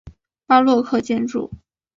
巴洛克建筑。